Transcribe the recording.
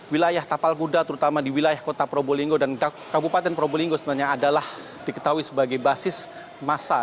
wilayah tapal guda terutama di wilayah kota perubo linggo dan kabupaten perubo linggo sebenarnya adalah diketahui sebagai basis masa